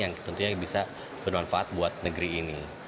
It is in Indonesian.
yang tentunya bisa bermanfaat buat negeri ini